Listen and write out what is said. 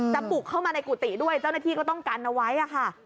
บุกเข้ามาในกุฏิด้วยเจ้าหน้าที่ก็ต้องกันเอาไว้ค่ะ